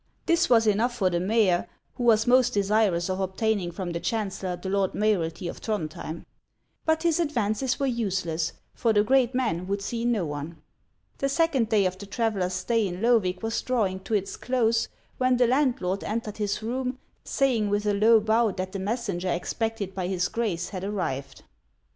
This was enough for the mayor, who was most desirous of obtaining from the chancellor the lord mayoralty of Throndhjem. But his advances were useless, for the great man would see no one. The second day of the traveller's stay in Loevig was drawing to its close, when the landlord entered his room, saying with a low bow that the messenger expected by his Grace had arrived.